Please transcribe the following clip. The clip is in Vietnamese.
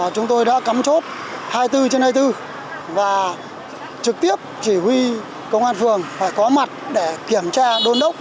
chúng tôi đã cắm chốt hai mươi bốn trên hai mươi bốn và trực tiếp chỉ huy công an phường phải có mặt để kiểm tra đôn đốc